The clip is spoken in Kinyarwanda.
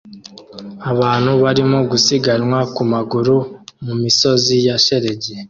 Abantu barimo gusiganwa ku maguru mu misozi ya shelegi